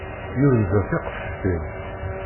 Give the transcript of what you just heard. Yunda tiqeftin.